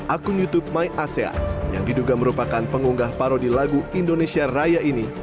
akun youtube my asean yang diduga merupakan pengunggah parodi lagu indonesia raya ini